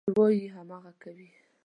هر څه چې وايي، هماغه کوي.